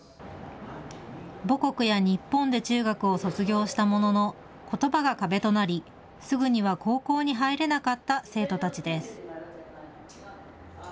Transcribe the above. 母国や日本で中学を卒業したもののことばが壁となり、すぐには高校に入れなかった生徒たちです。